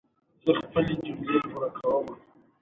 راکټ یو تېز الوتونکی توغندی دی